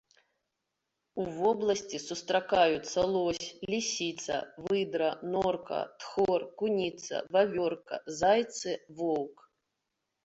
У вобласці сустракаюцца лось, лісіца, выдра, норка, тхор, куніца, вавёрка, зайцы, воўк.